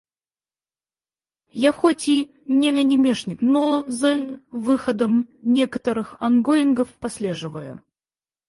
Я хоть и не анимешник, но за выходом некоторых онгоингов послеживаю.